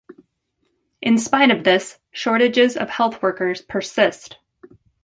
In spite of this, shortages of health workers persist.